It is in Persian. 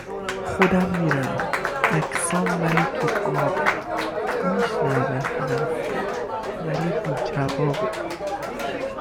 خودم میرم عکسام ولی تو قابه میشنوه حرفو ولی بی جوابه